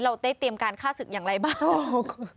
เราได้เตรียมการฆ่าศึกอย่างไรบ้าง